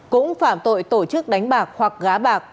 cũng phạm tội tổ chức đánh bạc hoặc gá bạc